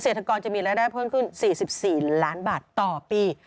ธกรจะมีรายได้เพิ่มขึ้น๔๔ล้านบาทต่อปี